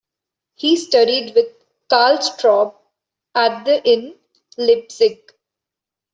He studied with Karl Straube at the in Leipzig.